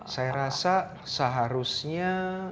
saya rasa seharusnya